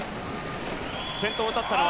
先頭に立ったのは。